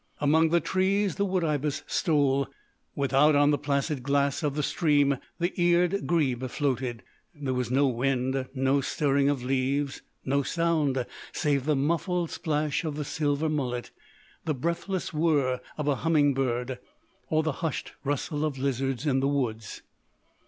Among the trees the wood ibis stole; without on the placid glass of the stream the eared grebe floated. There was no wind, no stirring of leaves, no sound save the muffled splash of silver mullet, the breathless whirr of a humming bird, or the hushed rustle of lizards in the woods.